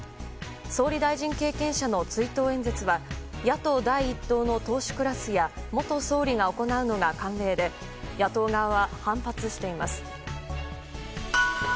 総理大臣経験者の追悼演説は野党第一党の党首クラスや元総理が行うのが慣例で野党側は反発しています。